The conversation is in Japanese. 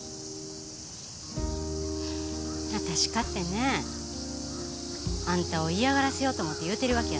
私かてねあんたを嫌がらせようと思うて言うてるわけやないで。